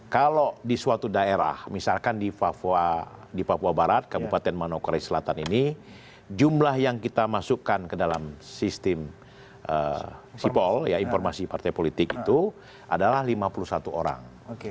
kalau di suatu daerah misalkan di papua barat kabupaten manokwari selatan ini jumlah yang kita masukkan ke dalam sistem sipol informasi partai politik itu adalah lima puluh satu orang